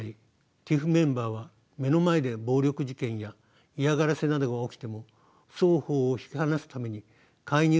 ＴＩＰＨメンバーは目の前で暴力事件や嫌がらせなどが起きても双方を引き離すために介入することはできません。